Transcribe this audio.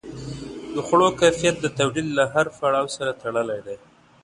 د خوړو کیفیت د تولید له هر پړاو سره تړلی دی.